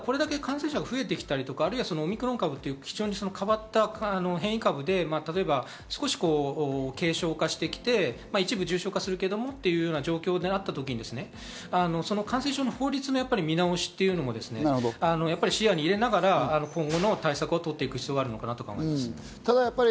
これだけ感染者が増えたりオミクロン株という変わった変異株で、少し軽症化してきて、一部重症化するけれどもって状況であった時に感染症の法律を見直っていうのも視野に入れながら今後の対策を取っていく必要があるかなと思います。